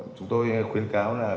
chúng tôi khuyến cáo là khi